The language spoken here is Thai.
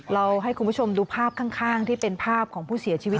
เราให้คุณผู้ชมดูภาพข้างที่เป็นภาพของผู้เสียชีวิต